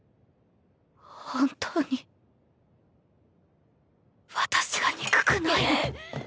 本当に私が憎くないの？